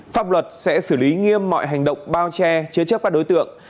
pháp luật sẽ xử lý nghiêm mọi hành động bao che chế chấp các đối tượng